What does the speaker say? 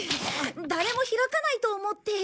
誰も開かないと思って。